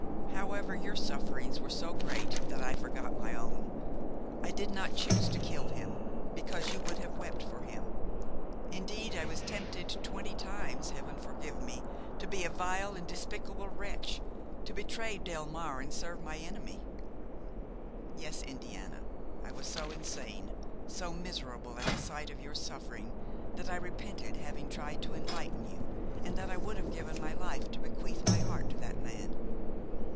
"However your sufferings were so great that I forgot my own. I did not choose to kill him, because you would have wept for him. Indeed I was tempted twenty times, Heaven forgive me! to be a vile and despicable wretch, to betray Delmare and serve my enemy. Yes, Indiana, I was so insane, so miserable at the sight of your suffering, that I repented having tried to enlighten you and that I would have given my life to bequeath my heart to that man!